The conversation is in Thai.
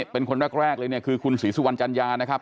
เป็นคนแรกเลยเนี่ยคือคุณศรีสุวรรณจัญญานะครับ